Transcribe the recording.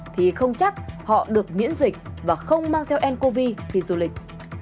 thì không chắc họ được miễn dịch và không mang theo ncov đi du lịch